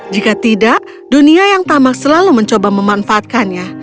jika tidak dunia yang tamak selalu mencoba memanfaatkannya